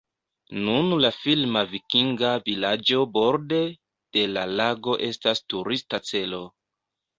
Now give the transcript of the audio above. Nun la filma vikinga vilaĝo borde de la lago estas turista celo.